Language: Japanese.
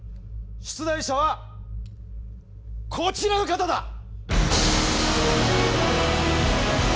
出題者はこちらの方だ！